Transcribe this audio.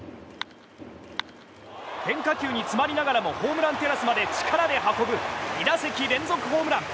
変化球に詰まりながらもホームランテラスまで力で運ぶ２打席連続ホームラン。